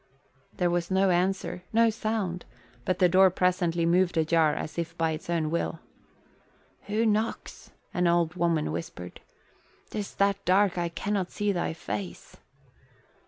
There was no answer, no sound, but the door presently moved ajar as if by its own will. "Who knocks?" an old woman whispered. "'Tis that dark I cannot see thy face."